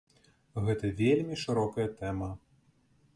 Гэта вельмі шырокая тэма.